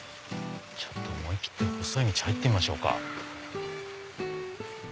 思い切って細い道入ってみましょうか。